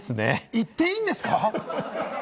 行っていいんですか？